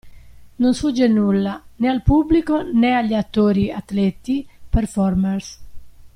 Non sfugge nulla, né al pubblico né agli attori/atleti/performers.